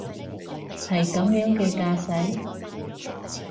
係噉樣嘅架勢？